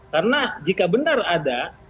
karena jika benar ada